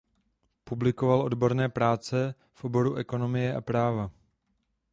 Publikoval odborné práce v oboru ekonomie a práva.